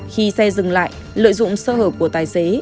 khi xe dừng lại lợi dụng sơ hợp của tài xế